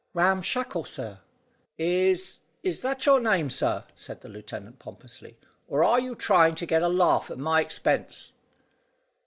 "Ram Shackle, sir." "Is is that your name, sir," said the lieutenant pompously, "or are you trying to get a laugh at my expense?"